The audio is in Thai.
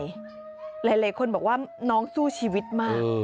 หลายคนบอกว่าน้องสู้ชีวิตมาก